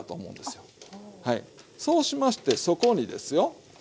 そうしましてそこにですよ。